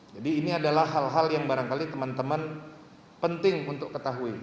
jadi ini adalah hal hal yang barangkali teman teman penting untuk ketahui